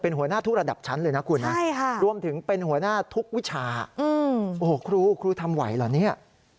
หัวหน้าทุกระดับชั้นเลยนะคุณนะรวมถึงเป็นหัวหน้าทุกวิชาโอ้โหครูครูทำไหวเหรอเนี่ย